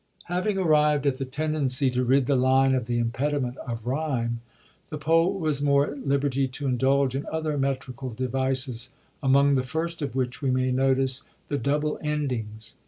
Having arrived at the tendency to rid the line of the impediment of ryme, the poet was more at liberty to indulge in other metrical devices, among the first of which we may notice the double endings.